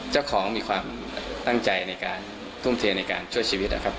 เจ้าของมีความตั้งใจในการทุ่มเทในการช่วยชีวิตนะครับ